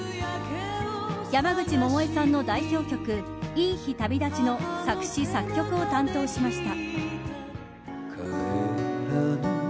山口百恵さんの代表曲「いい日旅立ち」の作詞・作曲を担当しました。